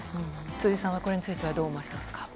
辻さんはこれについてはどう思われますか。